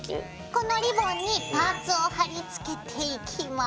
このリボンにパーツを貼りつけていきます。